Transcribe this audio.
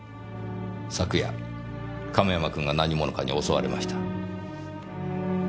昨夜亀山君が何者かに襲われました。